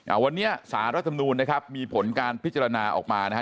วันนี้สารรัฐมนูลนะครับมีผลการพิจารณาออกมานะฮะ